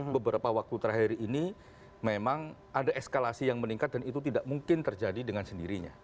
beberapa waktu terakhir ini memang ada eskalasi yang meningkat dan itu tidak mungkin terjadi dengan sendirinya